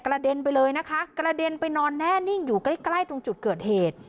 เด็นไปเลยนะคะกระเด็นไปนอนแน่นิ่งอยู่ใกล้ใกล้ตรงจุดเกิดเหตุ